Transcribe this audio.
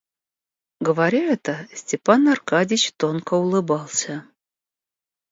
Говоря это, Степан Аркадьич тонко улыбался.